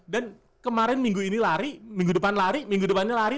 dan kemarin minggu ini lari minggu depan lari minggu depannya lari